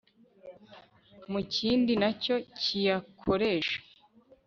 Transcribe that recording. mu kindi na cyo kiyakoresha